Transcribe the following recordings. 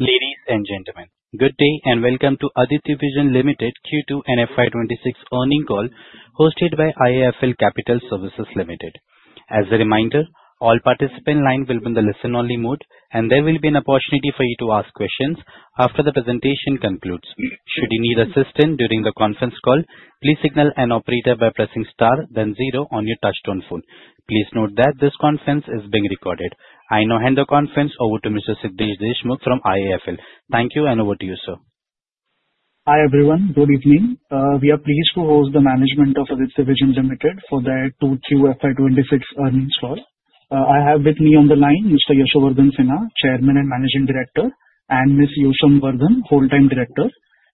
Ladies and gentlemen, good day and welcome to Aditya Vision Limited Q2 and FY 2026 earning call hosted by IIFL Capital Services Limited. As a reminder, all participant lines will be in the listen-only mode, and there will be an opportunity for you to ask questions after the presentation concludes. Should you need assistance during the conference call, please signal an operator by pressing star then zero on your touch-tone phone. Please note that this conference is being recorded. I now hand the conference over to Mr. Siddhesh Deshmukh from IIFL. Thank you, and over to you, sir. Hi, everyone. Good evening. We are pleased to host the management of Aditya Vision Limited for their Q2 FY 2026 earnings call. I have with me on the line Mr. Yashovardhan Sinha, Chairman and Managing Director, and Ms. Yoshovaradhan, Whole-time Director.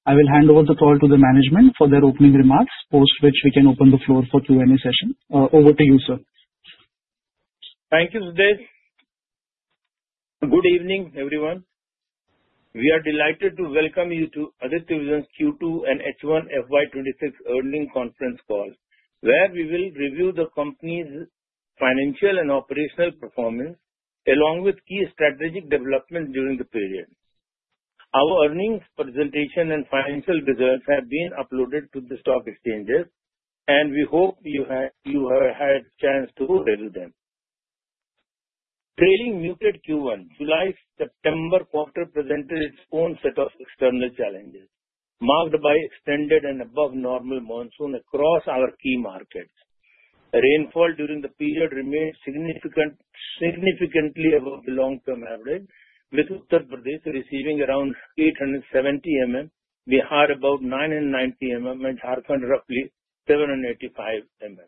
I will hand over the call to the management for their opening remarks, post which we can open the floor for Q&A session. Over to you, sir. Thank you, Sidhesh. Good evening, everyone. We are delighted to welcome you to Aditya Vision Q2 and H1 FY 2026 earning conference call, where we will review the company's financial and operational performance along with key strategic development during the period. Our earnings presentation and financial results have been uploaded to the stock exchanges, and we hope you have had chance to review them. Trailing muted Q1, July-September quarter presented its own set of external challenges, marked by extended and above-normal monsoon across our key markets. Rainfall during the period remained significantly above the long-term average, with Uttar Pradesh receiving around 870mm, Bihar about 990mm, and Jharkhand roughly 785mm.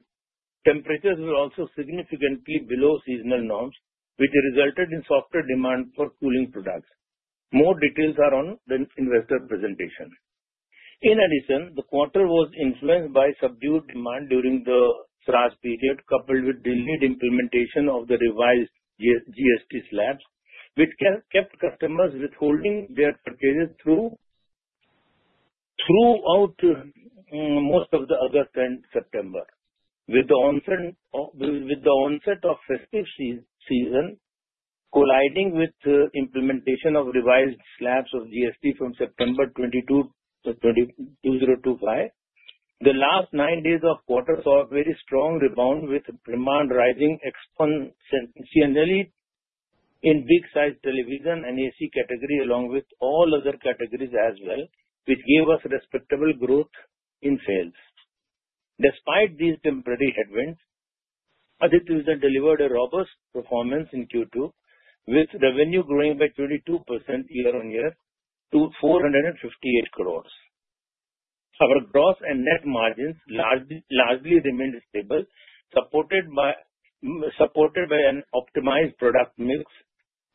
Temperatures were also significantly below seasonal norms, which resulted in softer demand for cooling products. More details are on the investor presentation. In addition, the quarter was influenced by subdued demand during the Shraadh period, coupled with delayed implementation of the revised GST slabs, which kept customers withholding their purchases throughout most of August and September. With the onset of festive season colliding with the implementation of revised slabs of GST from September 22, 2025, the last nine days of quarter saw a very strong rebound, with demand rising exponentially in big-sized television and AC category along with all other categories as well, which gave us respectable growth in sales. Despite these temporary headwinds, Aditya Vision delivered a robust performance in Q2, with revenue growing by 22% year-on-year to 458 crores. Our gross and net margins largely remained stable, supported by an optimized product mix,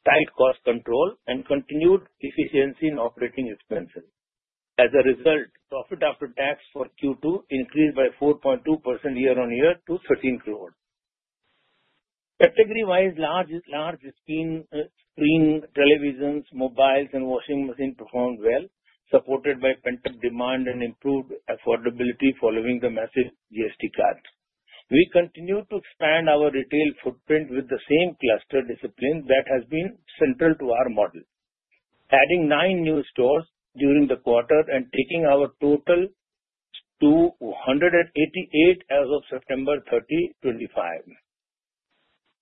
tight cost control, and continued efficiency in operating expenses. As a result, profit after tax for Q2 increased by 4.2% year-on-year to INR 13 crores. Category-wise, large screen televisions, mobiles, and washing machine performed well, supported by pent-up demand and improved affordability following the massive GST cuts. We continue to expand our retail footprint with the same cluster discipline that has been central to our model, adding nine new stores during the quarter and taking our total to 188 as of September 30, 2025.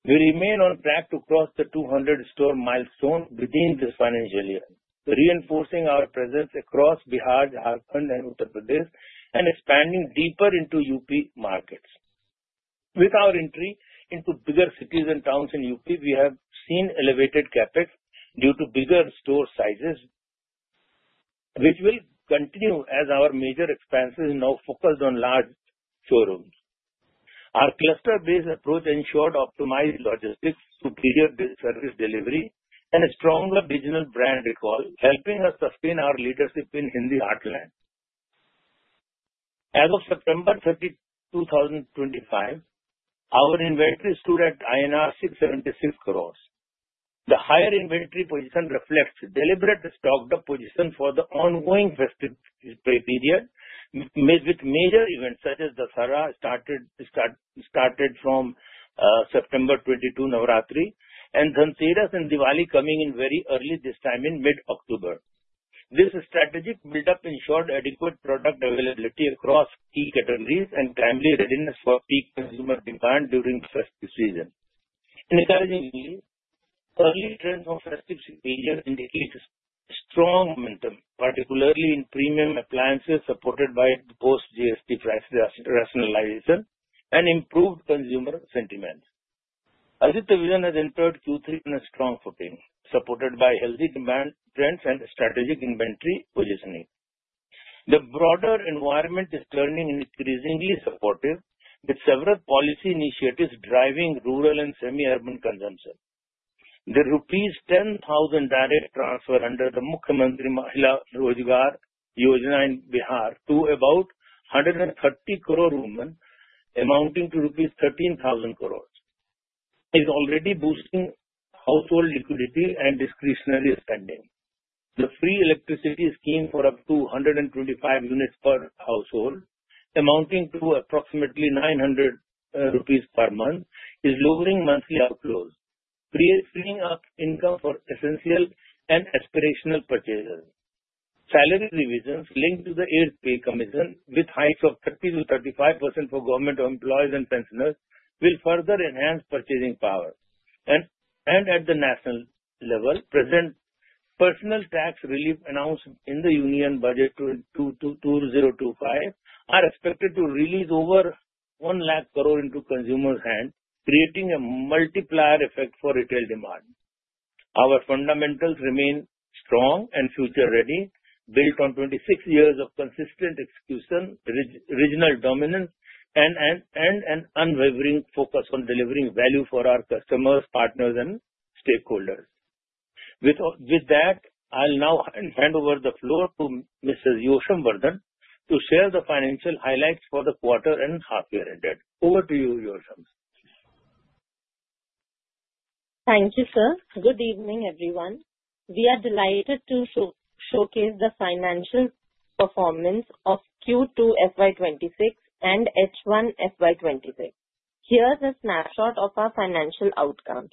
We remain on track to cross the 200-store milestone within this financial year, reinforcing our presence across Bihar, Jharkhand and Uttar Pradesh, and expanding deeper into U.P. markets. With our entry into bigger cities and towns in U.P., we have seen elevated CapEx due to bigger store sizes, which will continue as our major expenses now focus on large showrooms. Our cluster-based approach ensured optimized logistics, superior service delivery, and a stronger regional brand recall, helping us sustain our leadership in Hindi heartland. As of September 30, 2025, our inventory stood at INR 676 crores. The higher inventory position reflects deliberate stocked-up position for the ongoing festive period, with major events such as Dussehra started from September 22, Navratri, and Dhanteras and Diwali coming in very early this time in mid-October. This strategic build-up ensured adequate product availability across key categories and timely readiness for peak consumer demand during festive season. Encouragingly, early trends of festive season indicate strong momentum, particularly in premium appliances supported by post-GST price rationalization and improved consumer sentiments. Aditya Vision has entered Q3 in a strong footing, supported by healthy demand trends and strategic inventory positioning. The broader environment is turning increasingly supportive, with several policy initiatives driving rural and semi-urban consumption. The rupees 10,000 direct transfer under the Mukhyamantri Mahila Rozgar Yojana in Bihar to about 130 crore women, amounting to rupees 13,000 crores, is already boosting household liquidity and discretionary spending. The free electricity scheme for up to 125 units per household amounting to approximately 900 rupees per month is lowering monthly outflows, freeing up income for essential and aspirational purchases. Salary revisions linked to the 8th Pay Commission, with hikes of 30%-35% for government employees and pensioners, will further enhance purchasing power. At the national level, present personal tax relief announced in the Union Budget 2025 are expected to release over 1 lakh crore into consumers' hands, creating a multiplier effect for retail demand. Our fundamentals remain strong and future-ready, built on 26 years of consistent execution, regional dominance and an unwavering focus on delivering value for our customers, partners and stakeholders. With that, I'll now hand over the floor to Mrs. Yoshom Vardhan to share the financial highlights for the quarter and half year ended. Over to you, Yoshom. Thank you, sir. Good evening, everyone. We are delighted to showcase the financial performance of Q2 FY 2026 and H1 FY 2026. Here's a snapshot of our financial outcomes.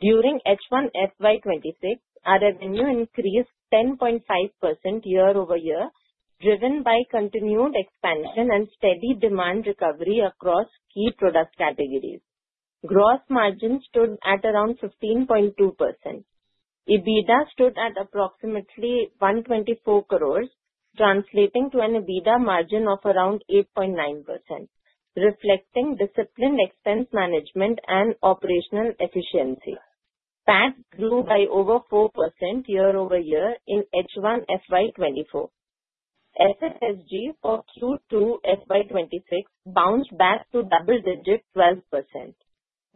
During H1 FY 2026, our revenue increased 10.5% year-over-year, driven by continued expansion and steady demand recovery across key product categories. Gross margin stood at around 15.2%. EBITDA stood at approximately 124 crore, translating to an EBITDA margin of around 8.9%, reflecting disciplined expense management and operational efficiency. PAT grew by over 4% year-over-year in H1 FY 2024. SSSG for Q2 FY 2026 bounced back to double digits, 12%,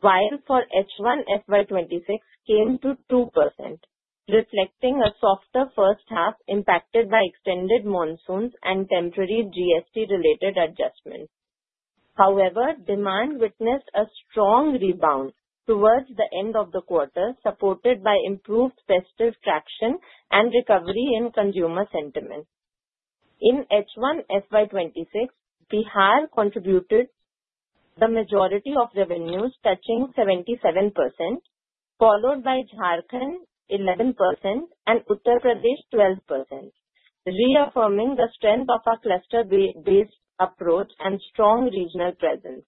while for H1 FY 2026 came to 2%, reflecting a softer first half impacted by extended monsoons and temporary GST-related adjustments. Demand witnessed a strong rebound towards the end of the quarter, supported by improved festive traction and recovery in consumer sentiment. In H1 FY 2026, Bihar contributed the majority of revenues, touching 77%, followed by Jharkhand 11%, and Uttar Pradesh 12%, reaffirming the strength of our cluster-based approach and strong regional presence.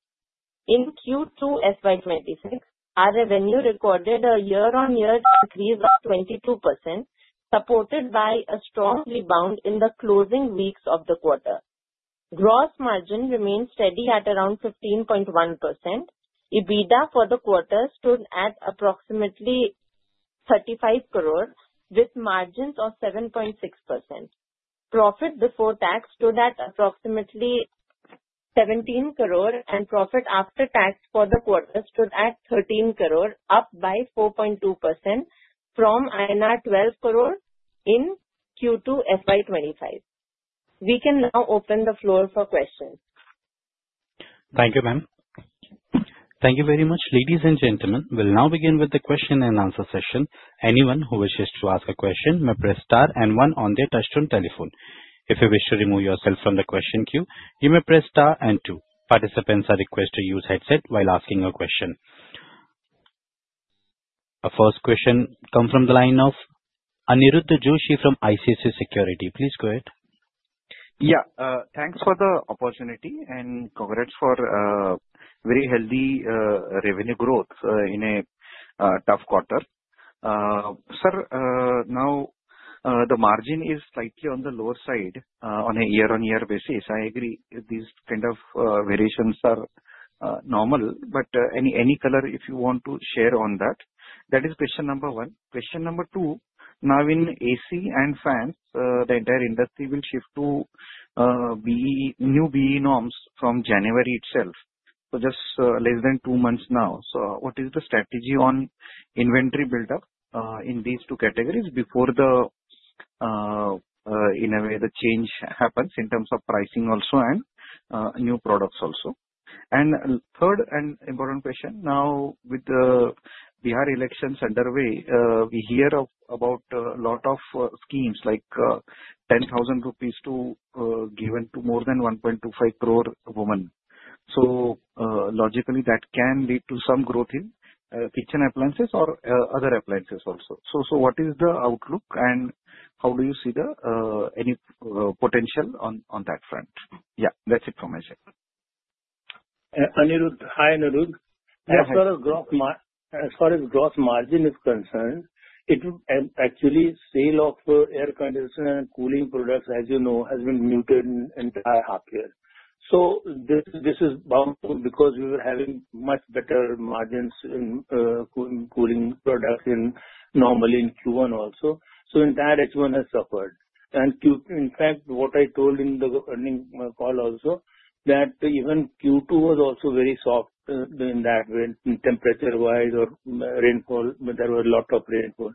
In Q2 FY 2026, our revenue recorded a year-on-year increase of 22%, supported by a strong rebound in the closing weeks of the quarter. Gross margin remains steady at around 15.1%. EBITDA for the quarter stood at approximately 35 crore with margins of 7.6%. Profit before tax stood at approximately 17 crore, and profit after tax for the quarter stood at 13 crore, up by 4.2% from INR 12 crore in Q2 FY 2025. We can now open the floor for questions. Thank you, ma'am. Thank you very much. Ladies and gentlemen, we'll now begin with the question and answer session. Anyone who wishes to ask a question may press star 1 on their touchtone telephone. If you wish to remove yourself from the question queue, you may press star 2. Participants are requested to use headset while asking a question. Our first question comes from the line of Aniruddha Joshi from ICICI Securities. Please go ahead. Thanks for the opportunity and congrats for very healthy revenue growth in a tough quarter. Sir, the margin is slightly on the lower side on a year-on-year basis. Any color if you want to share on that. That is question number one. Question number two, in AC and fans, the entire industry will shift to new BEE norms from January itself, just less than two months. What is the strategy on inventory buildup in these two categories before the change happens in terms of pricing also and new products also? Third and important question. With the Bihar elections underway, we hear about a lot of schemes like 10,000 rupees given to more than 1.25 crore women. Logically, that can lead to some growth in kitchen appliances or other appliances also. What is the outlook, and how do you see any potential on that front? That's it from my side. Hi, Aniruddha. As far as gross margin is concerned, actually sale of air conditioner and cooling products, as you know, has been muted entire half year. This is bound to because we were having much better margins in cooling products normally in Q1 also. Entire H1 has suffered. In fact, what I told in the earning call also, that even Q2 was also very soft in temperature-wise or rainfall. There was a lot of rainfall.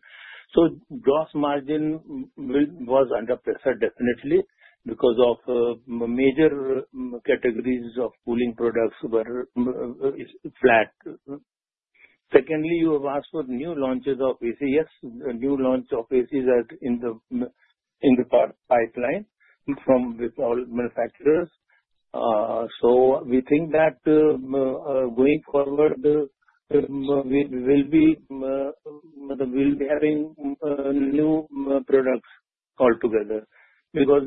Gross margin was under pressure definitely because of major categories of cooling products were flat. Secondly, you have asked for new launches of ACs. Yes, new launch of ACs are in the pipeline with all manufacturers. We think that going forward, we'll be having new products altogether because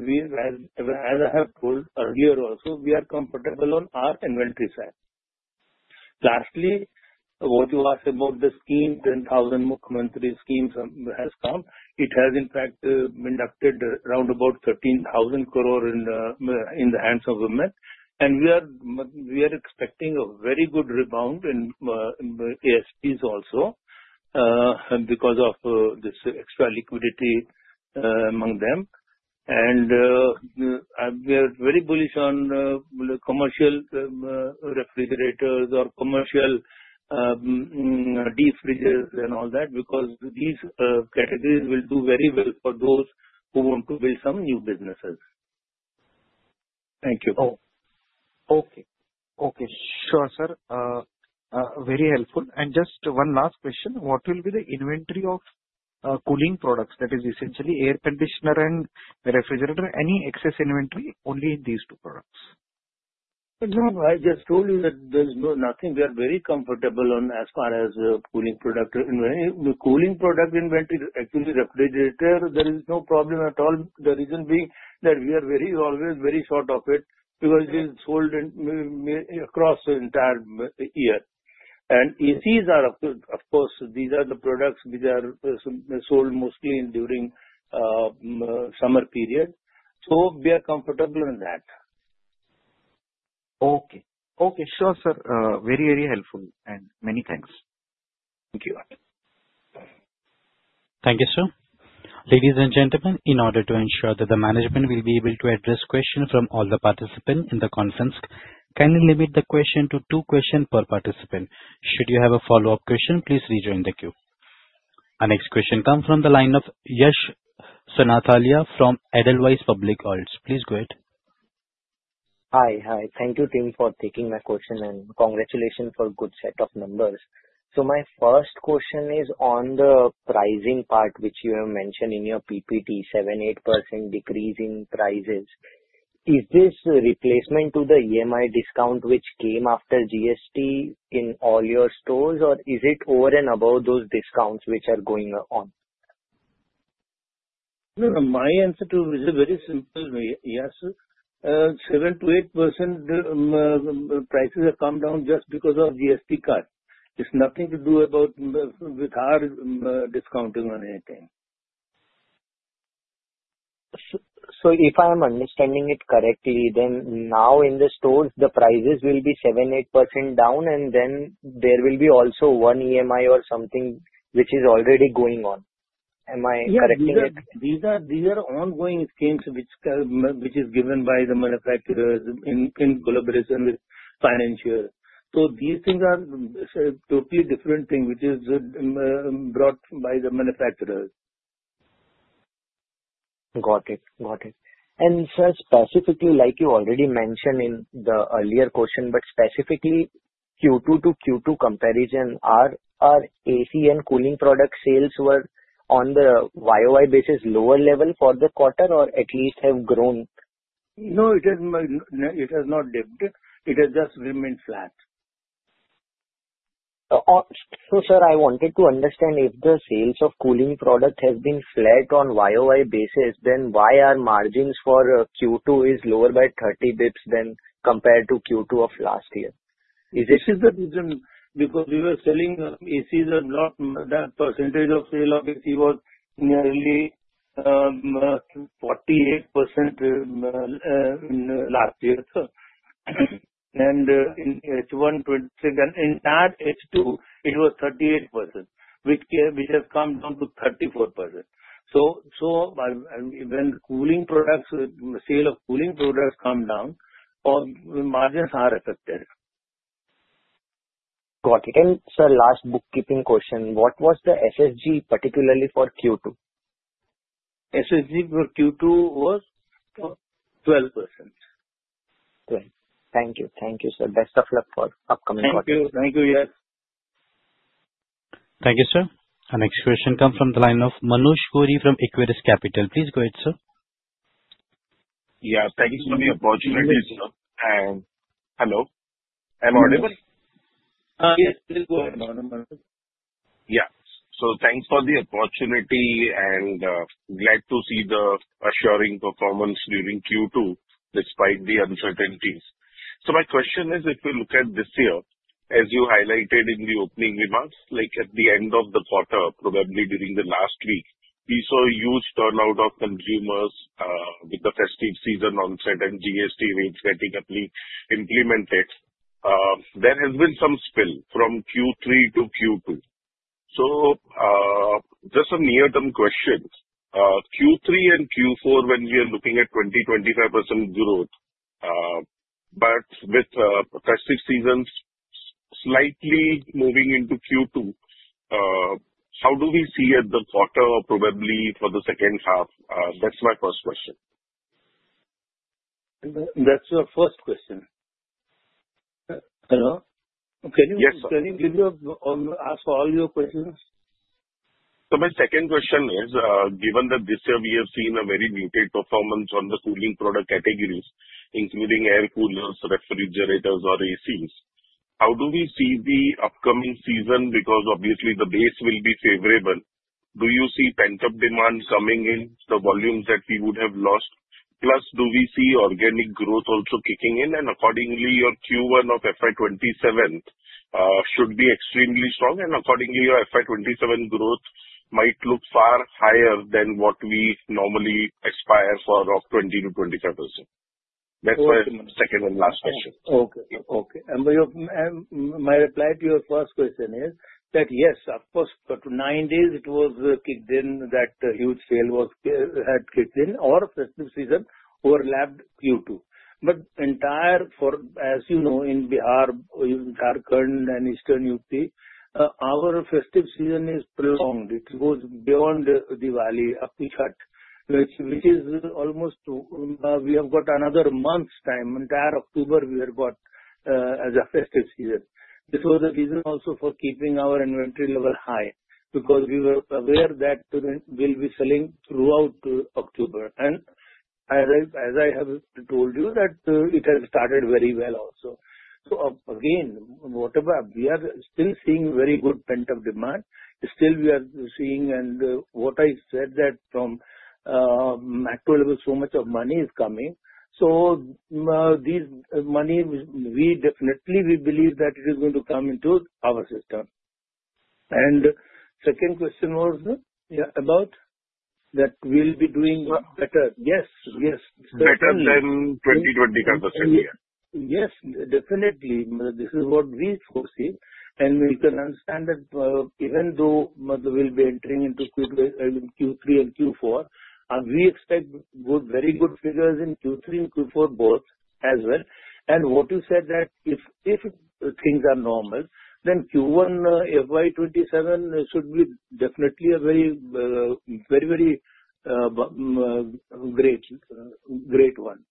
as I have told earlier also, we are comfortable on our inventory side. Lastly, what you asked about the scheme, 10,000 Mukhyamantri schemes has come. It has in fact been inducted around about 13,000 crore in the hands of women. We are expecting a very good rebound in ASPs also because of this extra liquidity among them. We are very bullish on commercial refrigerators or commercial deep freezers and all that, because these categories will do very well for those who want to build some new businesses. Thank you. Oh. Okay. Sure, sir. Very helpful. Just one last question. What will be the inventory of cooling products? That is essentially air conditioner and refrigerator. Any excess inventory, only these two products. No, I just told you that there's nothing. We are very comfortable on as far as cooling product inventory. The cooling product inventory, actually refrigerator, there is no problem at all. The reason being that we are always very short of it because it is sold across the entire year. ACs are, of course, these are the products which are sold mostly during summer period. We are comfortable in that. Okay. Sure, sir. Very helpful and many thanks. Thank you. Thank you, sir. Ladies and gentlemen, in order to ensure that the management will be able to address questions from all the participants in the conference, kindly limit the question to two questions per participant. Should you have a follow-up question, please rejoin the queue. Our next question comes from the line of Yash Santhalia from Edelweiss. Please go ahead. Hi. Thank you, team, for taking my question and congratulations for good set of numbers. My first question is on the pricing part, which you have mentioned in your PPT, seven, 8% decrease in prices. Is this replacement to the EMI discount which came after GST in all your stores or is it over and above those discounts which are going on? No, my answer to it is a very simple way, Yash. 7% to 8% prices have come down just because of GST cut. It is nothing to do about with our discounting on anything. If I am understanding it correctly, now in the stores the prices will be seven, 8% down and there will be also one EMI or something which is already going on. Am I correct in that? Yeah. These are ongoing schemes which is given by the manufacturers in collaboration with financiers. These things are totally different thing which is brought by the manufacturers. Got it. Sir, specifically like you already mentioned in the earlier question, but specifically Q2 to Q2 comparison, are AC and cooling product sales were on the YOY basis lower level for the quarter or at least have grown? No, it has not dipped. It has just remained flat. Sir, I wanted to understand if the sales of cooling product has been flat on YOY basis, then why are margins for Q2 is lower by 30 basis points than compared to Q2 of last year? This is the reason because we were selling ACs a lot. The percentage of sale of AC was nearly 48% last year. In H1 2023, entire H2 it was 38%, which has come down to 34%. When sale of cooling products come down, margins are affected. Got it. Sir, last bookkeeping question. What was the SSG particularly for Q2? SSG for Q2 was 12%. 12. Thank you, sir. Best of luck for upcoming quarter. Thank you, Yash. Thank you, sir. Our next question come from the line of Manoj Puri from Equirus Capital. Please go ahead, sir. Yeah, thank you for the opportunity, sir. Hello? Am I audible? Yes, please go ahead. Yeah. Thanks for the opportunity and glad to see the assuring performance during Q2 despite the uncertainties. My question is if we look at this year, as you highlighted in the opening remarks, like at the end of the quarter, probably during the last week, we saw a huge turnout of consumers with the festive season onset and GST rates getting implemented. There has been some spill from Q3 to Q2. Just some near-term questions. Q3 and Q4 when we are looking at 20%-25% growth but with festive seasons slightly moving into Q2, how do we see at the quarter or probably for the second half? That's my first question. That's your first question. Hello? Yes, sir. Can you ask all your questions? My second question is, given that this year we have seen a very muted performance on the cooling product categories, including air coolers, refrigerators, or ACs, how do we see the upcoming season? Obviously the base will be favorable. Do you see pent-up demand coming in the volumes that we would have lost, plus, do we see organic growth also kicking in? Accordingly, your Q1 of FY 2027 should be extremely strong. Accordingly, your FY 2027 growth might look far higher than what we normally aspire for of 20%-25%. That's my second and last question. Okay. My reply to your first question is that yes, of course, for nine days it was kicked in, that huge sale had kicked in, our festive season overlapped Q2. As you know, in Bihar, Jharkhand and Eastern UP, our festive season is prolonged. It goes beyond Diwali, up to Chhath, which is almost we have got another month's time. Entire October we have got as a festive season. This was the reason also for keeping our inventory level high, because we were aware that we'll be selling throughout October. As I have told you, that it has started very well also. Again, we are still seeing very good pent-up demand. Still we are seeing, and what I said that from macro level, so much of money is coming. This money, definitely we believe that it is going to come into our system. Second question was about? That we'll be doing better. Yes. Better than 2020 conversation. Yes, definitely. This is what we foresee. We can understand that even though we'll be entering into Q3 and Q4, we expect very good figures in Q3 and Q4 both as well. What you said that if things are normal, then Q1 FY 2027 should be definitely a very great one.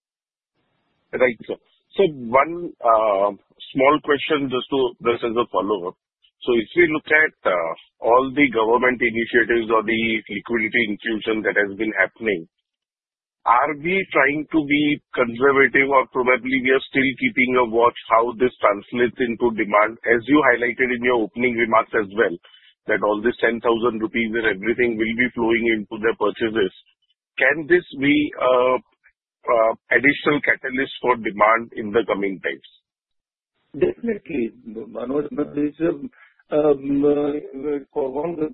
Right. One small question just as a follow-up. If we look at all the government initiatives or the liquidity infusion that has been happening, are we trying to be conservative or probably we are still keeping a watch how this translates into demand, as you highlighted in your opening remarks as well, that all this 10,000 rupees and everything will be flowing into the purchases. Can this be additional catalyst for demand in the coming times? Definitely. Manoj, this is a problem with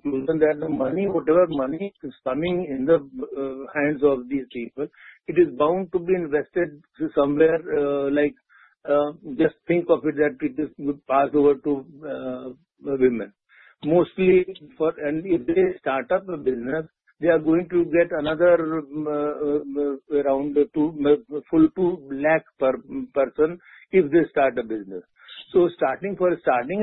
children that whatever money is coming in the hands of these people, it is bound to be invested somewhere. Just think of it that it will pass over to women. Mostly, if they start up a business, they are going to get another around full 2 lakh per person if they start a business. For starting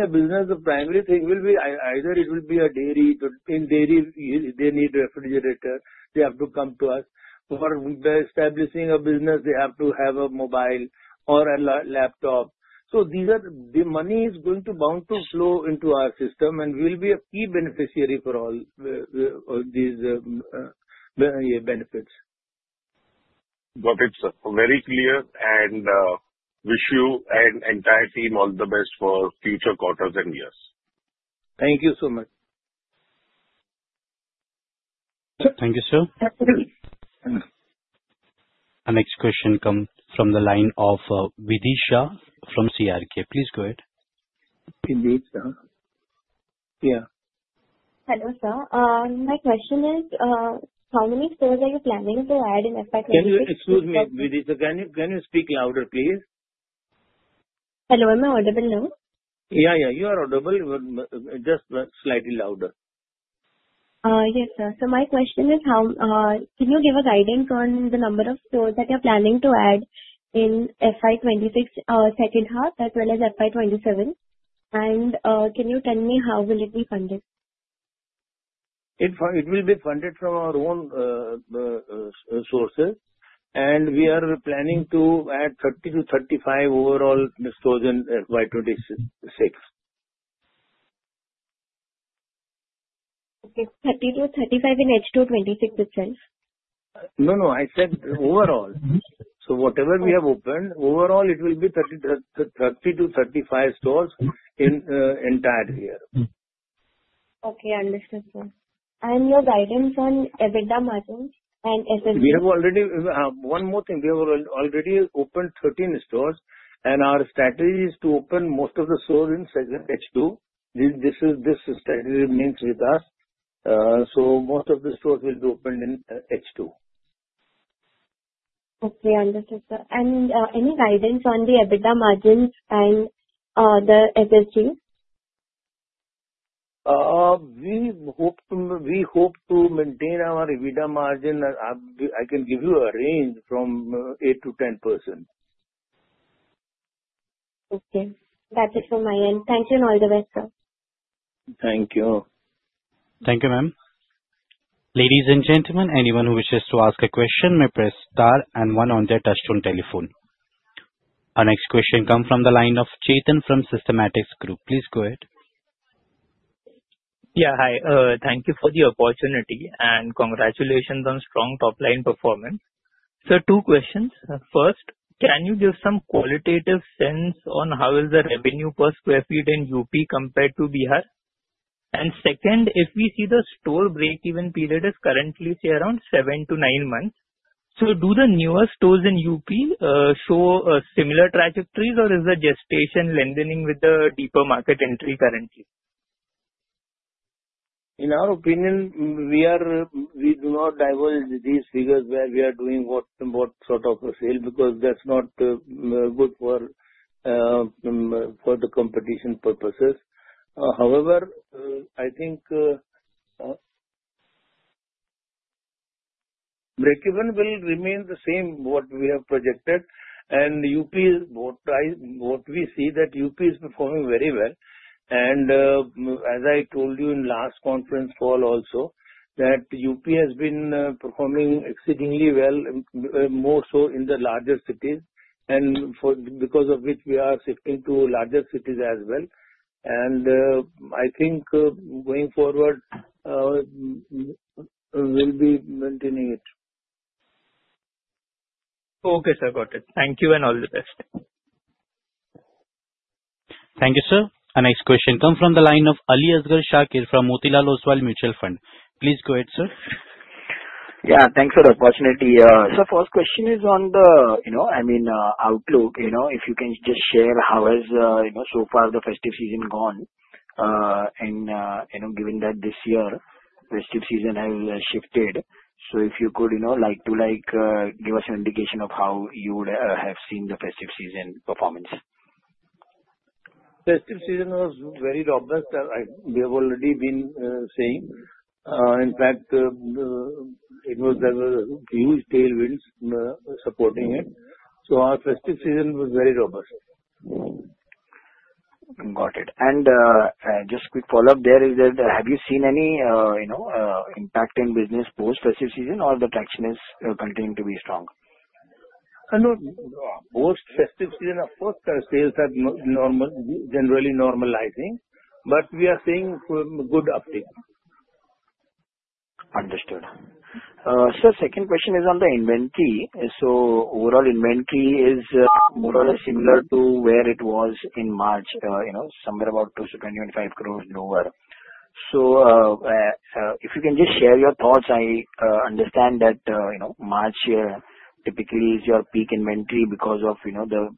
a business, the primary thing either it will be a dairy. In dairy, they need a refrigerator, they have to come to us. For establishing a business, they have to have a mobile or a laptop. The money is going to bound to flow into our system, and we'll be a key beneficiary for all these benefits. Got it, sir. Very clear. Wish you and entire team all the best for future quarters and years. Thank you so much. Thank you, sir. Our next question come from the line of Vidhi Shah from CRK. Please go ahead. Vidhi Shah. Yeah. Hello, sir. My question is, how many stores are you planning to add in FY 2026? Excuse me, Vidhi. Can you speak louder, please? Hello, am I audible now? Yeah, you are audible. Just slightly louder. Yes, sir. My question is, can you give a guidance on the number of stores that you're planning to add in FY 2026 second half as well as FY 2027? Can you tell me how will it be funded? It will be funded from our own sources, and we are planning to add 30-35 overall stores in FY 2026. Okay. 30-35 in H2 2026 itself? No, I said overall. Whatever we have opened, overall it will be 30-35 stores in entire year. Okay, understood, sir. Your guidance on EBITDA margin and SSG. One more thing. We have already opened 13 stores, our strategy is to open most of the stores in H2. This strategy remains with us. Most of the stores will be opened in H2. Okay, understood, sir. Any guidance on the EBITDA margins and the SSG? We hope to maintain our EBITDA margin. I can give you a range from 8% to 10%. Okay. That's it from my end. Thank you and all the best, sir. Thank you. Thank you, ma'am. Ladies and gentlemen, anyone who wishes to ask a question may press star 1 on their touch-tone telephone. Our next question come from the line of Chetan from Systematix Group. Please go ahead. Yeah, hi. Thank you for the opportunity, congratulations on strong top-line performance. Sir, two questions. First, can you give some qualitative sense on how is the revenue per square feet in UP compared to Bihar? Second, if we see the store break-even period is currently, say, around seven to nine months. Do the newer stores in UP show similar trajectories, or is the gestation lengthening with the deeper market entry currently? In our opinion, we do not divulge these figures where we are doing what sort of a sale, because that's not good for the competition purposes. However, I think break-even will remain the same, what we have projected, and what we see that UP is performing very well. As I told you in last conference call also, that UP has been performing exceedingly well, more so in the larger cities, because of which we are shifting to larger cities as well. I think going forward, we'll be maintaining it. Okay, sir. Got it. Thank you, all the best. Thank you, sir. Our next question come from the line of Ali Asgar Shakir from Motilal Oswal Mutual Fund. Please go ahead, sir. Yeah, thanks for the opportunity. Sir, first question is on the outlook. If you can just share how is, so far the festive season gone, Given that this year, festive season has shifted. If you could like to, give us an indication of how you would have seen the festive season performance. Festive season was very robust. We have already been saying. In fact, there was a huge tailwind supporting it. Our festive season was very robust. Got it. Just quick follow-up there is that have you seen any impact in business post festive season or the traction is continuing to be strong? No. Post festive season, of course, sales are generally normalizing, we are seeing good uptake. Understood. Sir, second question is on the inventory. Overall inventory is more or less similar to where it was in March, somewhere about 275 crores and over. If you can just share your thoughts. I understand that March typically is your peak inventory because of the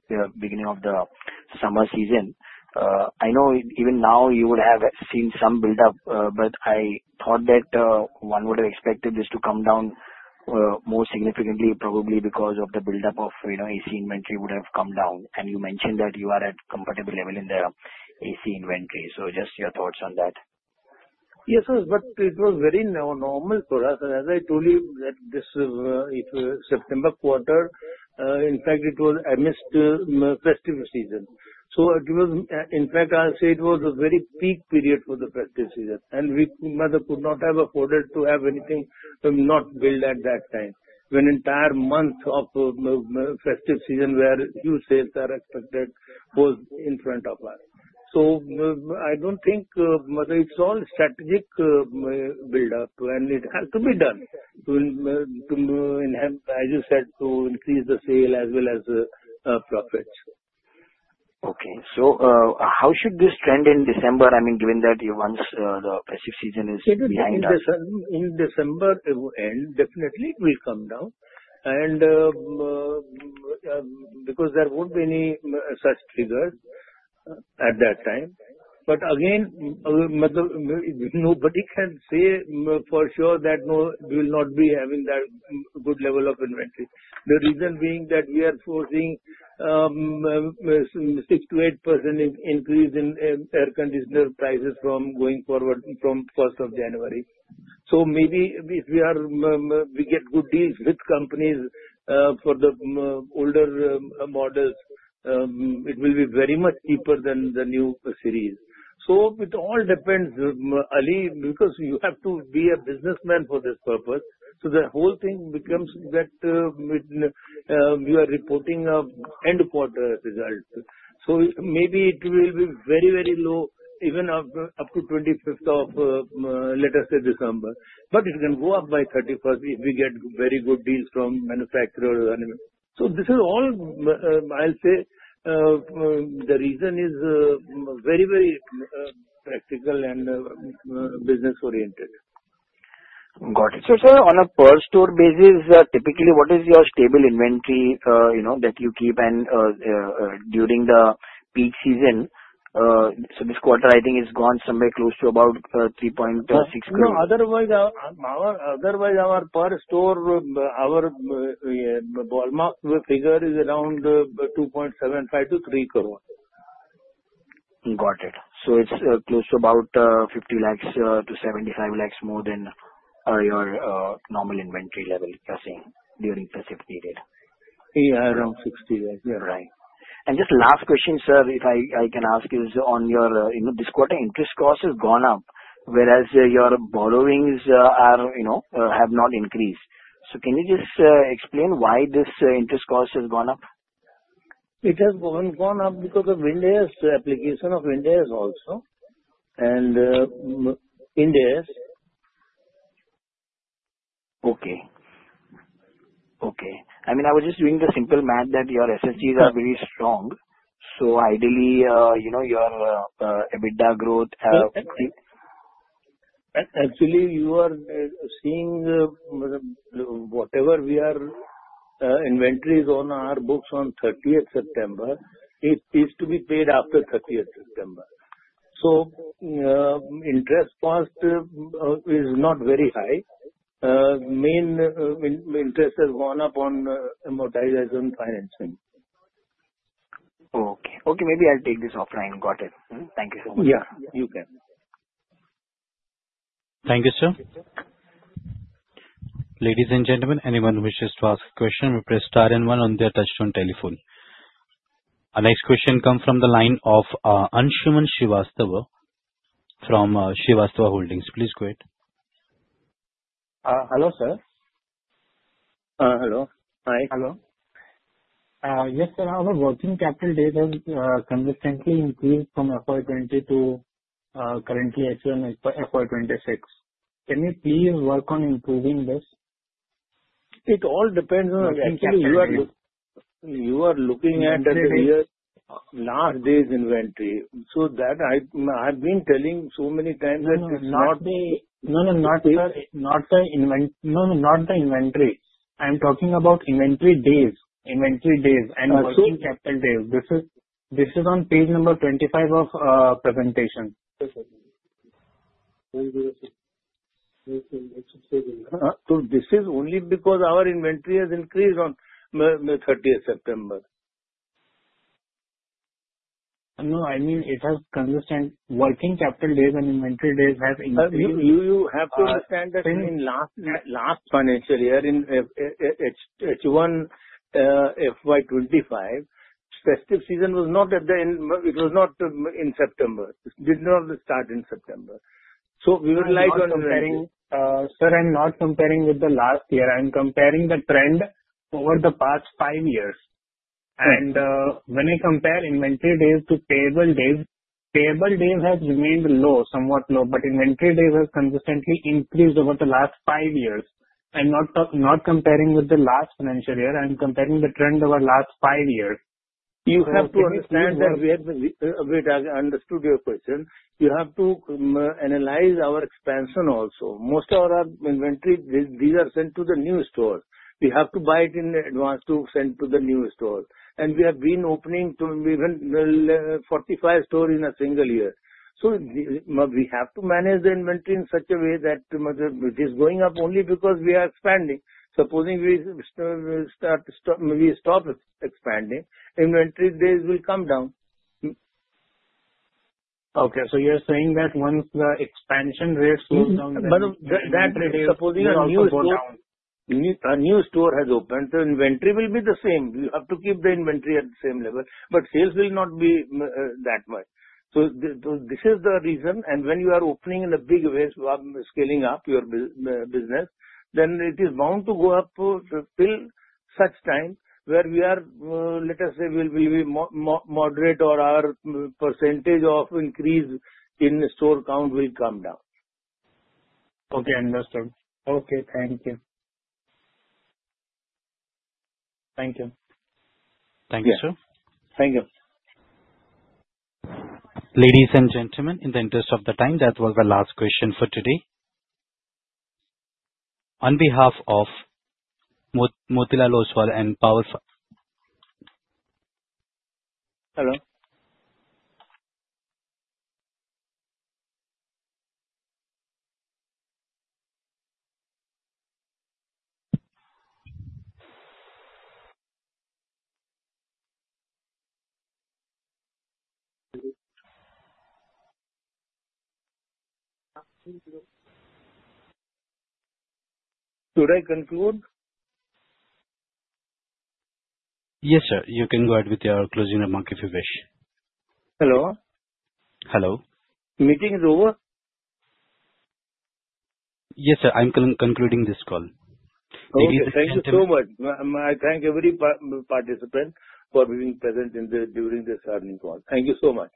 beginning of the summer season. I know even now you would have seen some build-up, but I thought that one would have expected this to come down more significantly, probably because of the build-up of AC inventory would have come down. You mentioned that you are at comfortable level in the AC inventory. Just your thoughts on that. Yes. It was very normal for us. As I told you that this September quarter, in fact, it was amidst festive season. In fact, I'll say it was a very peak period for the festive season, we could not have afforded to have anything not build at that time, when entire month of festive season where huge sales are expected was in front of us. I don't think it's all strategic build-up, it had to be done to enhance, as you said, to increase the sale as well as profits. Okay, how should this trend in December, I mean, given that once the festive season is behind us? In December end, definitely it will come down because there won't be any such triggers at that time. Again, nobody can say for sure that we will not be having that good level of inventory. The reason being that we are foreseeing 6% to 8% increase in air conditioner prices from going forward from 1st of January. Maybe if we get good deals with companies for the older models, it will be very much cheaper than the new series. It all depends, Ali, because you have to be a businessman for this purpose. The whole thing becomes that we are reporting end quarter results. Maybe it will be very low even up to 25th of, let us say, December, but it can go up by 31st if we get very good deals from manufacturer or anyone. This is all I'll say. The reason is very practical and business-oriented. Got it. Sir, on a per store basis, typically, what is your stable inventory that you keep and during the peak season, this quarter, I think, is gone somewhere close to about 3.6 crores. Otherwise, our per store, our ballpark figure is around 2.75 crore-3 crore. Got it. It's close to about 50 lakh-75 lakh more than your normal inventory level during festive period. Around 60 lakh. Right. Just last question, sir, if I can ask is on In this quarter, interest cost has gone up, whereas your borrowings have not increased. Can you just explain why this interest cost has gone up? It has gone up because of application of interest also. Okay. I was just doing the simple math that your SSGs are very strong. Actually, you are seeing whatever inventories are on our books on 30th September, it is to be paid after 30th September. Interest cost is not very high. Main interest has gone up on amortization financing. Okay. Maybe I'll take this offline. Got it. Thank you so much. Yeah. You can. Thank you, sir. Ladies and gentlemen, anyone who wishes to ask a question may press star and one on their touch-tone telephone. Our next question comes from the line of Anshuman Srivastava from Srivastava Holdings. Please go ahead. Hello, sir. Hello. Hi. Hello. Yes, sir, our working capital data has consistently increased from FY 2020 to currently FY 2026. Can you please work on improving this? It all depends. Actually, you are looking at last day's inventory. That I've been telling so many times. No, not the inventory. I'm talking about inventory days. Also- Working capital days. This is on page number 25 of presentation. This is only because our inventory has increased on 30th September. No, I mean it has consistent working capital days and inventory days have increased. You have to understand that in last financial year, in H1 FY 2025, festive season was not in September. It did not start in September. We would like. Sir, I'm not comparing with the last year. I am comparing the trend over the past five years. Right. When you compare inventory days to payable days, payable days has remained somewhat low, but inventory days has consistently increased over the last five years. I'm not comparing with the last financial year. I'm comparing the trend over last five years. You have to understand that we have understood your question. You have to analyze our expansion also. Most of our inventory, these are sent to the new store. We have to buy it in advance to send to the new store. We have been opening even 45 stores in a single year. We have to manage the inventory in such a way that it is going up only because we are expanding. Supposing we stop expanding, inventory days will come down. You're saying that once the expansion rate slows down, then. That rate is also going down. Supposing a new store. A new store has opened, so inventory will be the same. You have to keep the inventory at the same level, but sales will not be that much. This is the reason, and when you are opening in a big way, so you are scaling up your business, then it is bound to go up till such time where we are, let us say, we moderate or our percentage of increase in store count will come down. Okay, understood. Okay. Thank you. Thank you. Thank you, sir. Thank you. Ladies and gentlemen, in the interest of the time, that was the last question for today. On behalf of Motilal Oswal. Hello? Should I conclude? Yes, sir. You can go ahead with your closing remarks if you wish. Hello? Hello. Meeting is over? Yes, sir. I'm concluding this call. Okay. Thank you so much. I thank every participant for being present during this earning call. Thank you so much.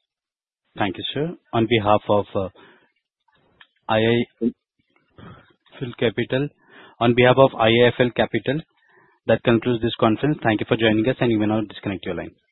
Thank you, sir. On behalf of IIFL Capital, that concludes this conference. Thank you for joining us, and you may now disconnect your line.